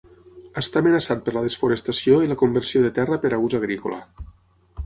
Està amenaçat per la desforestació i la conversió de terra per a ús agrícola.